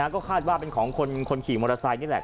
ก็คาดว่าเป็นของคนขี่มอเตอร์ไซค์นี่แหละ